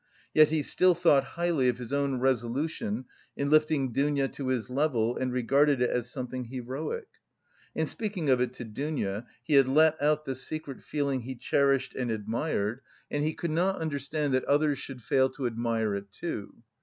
Yet he still thought highly of his own resolution in lifting Dounia to his level and regarded it as something heroic. In speaking of it to Dounia, he had let out the secret feeling he cherished and admired, and he could not understand that others should fail to admire it too.